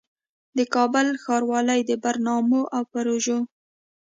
د کابل ښاروالۍ د برنامو او پروژو